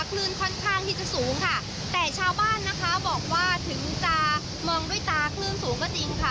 คลื่นค่อนข้างที่จะสูงค่ะแต่ชาวบ้านนะคะบอกว่าถึงจะมองด้วยตาคลื่นสูงก็จริงค่ะ